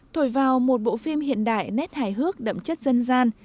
thổi vào một bộ phim hiện đại nét hài hước đậm chất dân gian